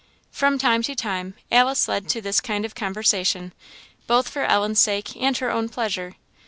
" From time to time, Alice led to this kind of conversation, both for Ellen's sake and her own pleasure.